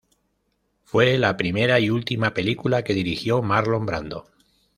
Fue la primera y última película que dirigió Marlon Brando.